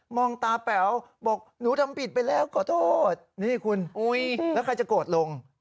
งตาแป๋วบอกหนูทำผิดไปแล้วขอโทษนี่คุณแล้วใครจะโกรธลง